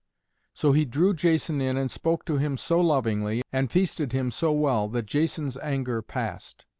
So he drew Jason in and spoke to him so lovingly, and feasted him so well, that Jason's anger passed.